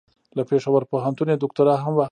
له پېښور پوهنتون یې دوکتورا هم واخیسته.